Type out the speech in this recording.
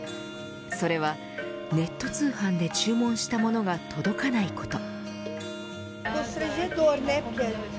それはネット通販で注文した物が届かないこと。